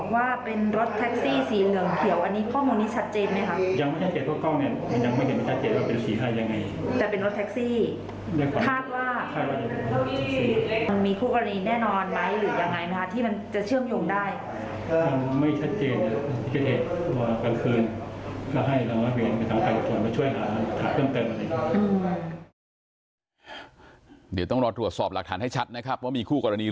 มันมีคู่กรณีแน่นอนไหมหรือยังไงนะคะที่มันจะเชื่อมโยงได้